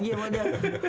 gita aja pada